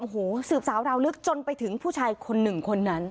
โอ้โหสืบสาวราวลึกจนไปถึงผู้ชายคนหนึ่งคนนั้น